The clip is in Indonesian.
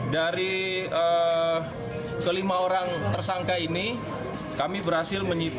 dari kelima orang tersangka ini kami berhasil menyita